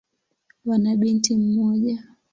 Wana binti mmoja.